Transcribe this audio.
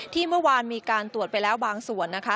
เมื่อวานมีการตรวจไปแล้วบางส่วนนะคะ